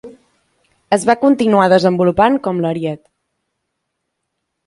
Es va continuar desenvolupant com l'Ariete.